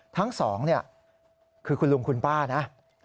ทั้งสองคือคุณลุงคุณป้านะ